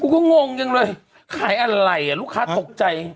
ก็งงจังเลยขายอะไรอ่ะลูกค้าตกใจ